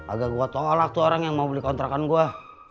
agar gua tolak orang yang mau beli kontrakan gua